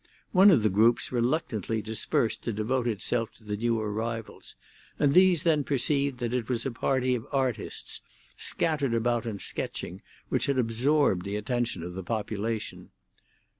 One of the groups reluctantly dispersed to devote itself to the new arrivals, and these then perceived that it was a party of artists, scattered about and sketching, which had absorbed the attention of the population.